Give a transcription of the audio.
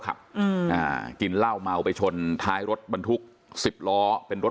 อืมอ่ากินเหล้าเมาไปชนท้ายรถบรรทุกสิบล้อเป็นรถ